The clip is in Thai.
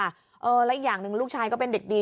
แล้วอีกอย่างหนึ่งลูกชายก็เป็นเด็กดี